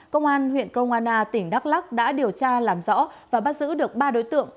công an huyện kroana tỉnh đắk lắc đã điều tra làm rõ và bắt giữ được ba đối tượng